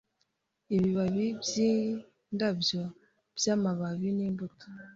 Ibibabi byindabyo byamababi nimbuto